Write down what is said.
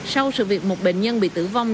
sau sự việc một bệnh nhân bị tử vong